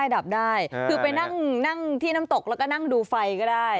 ดับได้คือไปนั่งที่น้ำตกแล้วก็นั่งดูไฟก็ได้